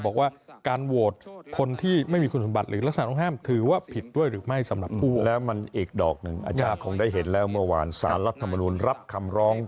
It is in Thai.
บาทตา๔๙หน้ากาอการ้องหลังปกครอง